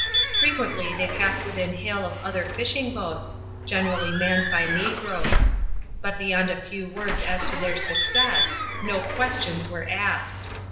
Frequently they passed within hail of other fishing boats, generally manned by negroes. But beyond a few words as to their success, no questions were asked.